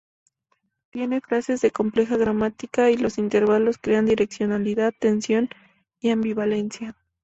Tiene frases de compleja gramática, y los intervalos crean direccionalidad, tensión y ambivalencia.